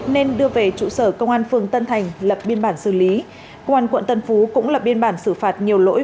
nên đưa về trụ sở công an phường tân thành lập biên bản xử lý công an quận tân phú cũng lập biên bản xử phạt nhiều lỗi